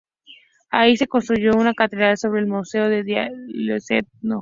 Allí se construyó una catedral sobre el Mausoleo de Diocleciano.